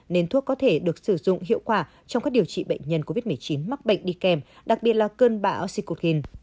nên thuốc có thể được sử dụng hiệu quả trong các điều trị bệnh nhân covid một mươi chín mắc bệnh đi kèm đặc biệt là cơn bão sicoin